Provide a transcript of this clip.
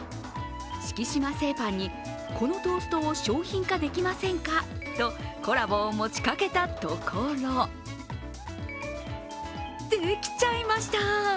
敷島製パンに、このトーストを商品化できませんかとコラボを持ちかけたところできちゃいました！